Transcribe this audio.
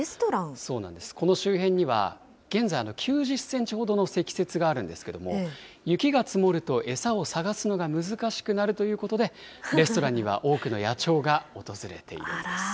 そうなんです、この周辺には現在、９０センチほどの積雪があるんですけれども、雪が積もると餌を探すのが難しくなるということで、レストランには多くの野鳥が訪れているんです。